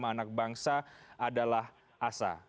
tujuh puluh lima anak bangsa adalah asa